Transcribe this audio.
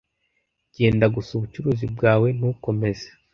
Genda gusa ubucuruzi bwawe ntukomeze